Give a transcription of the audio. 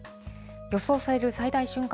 予想される最大瞬間